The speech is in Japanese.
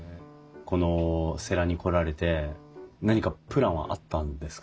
この世羅に来られて何かプランはあったんですか？